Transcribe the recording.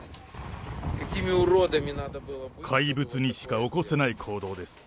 怪物にしか起こせない行動です。